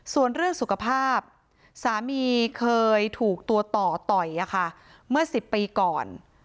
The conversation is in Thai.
ส่วนเรื่องสุขภาพสามีเคยถูกตัวต่อต่อยเมื่อ๑๐ปีก่อน